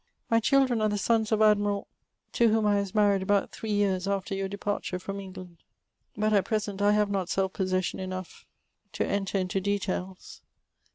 My children are the sons of Admiral , to whom I was married about three years after your departure from England. But at present, I have not self possession enough to enter into details.